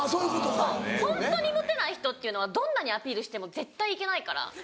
ホントにモテない人っていうのはどんなにアピールしても絶対いけないから。